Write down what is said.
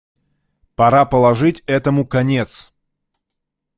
Пора положить этому конец.